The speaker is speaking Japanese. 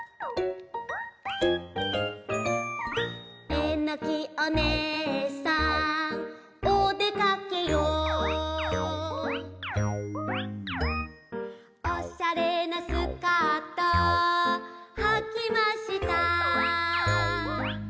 「えのきお姉さんおでかけよ」「おしゃれなスカートはきました」